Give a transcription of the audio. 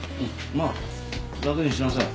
まあ楽にしなさい。